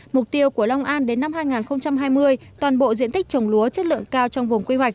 mục tiêu của long an đến năm hai nghìn hai mươi toàn bộ diện tích trồng lúa chất lượng cao trong vùng quy hoạch